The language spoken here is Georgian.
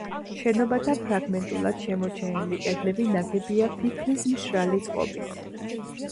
შენობათა ფრაგმენტულად შემორჩენილი კედლები ნაგებია ფიქლის მშრალი წყობით.